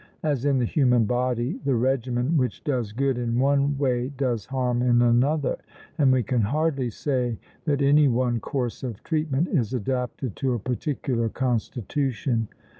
As in the human body, the regimen which does good in one way does harm in another; and we can hardly say that any one course of treatment is adapted to a particular constitution.